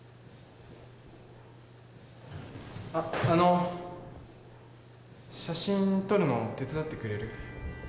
ああの写真撮るの手伝ってくれる？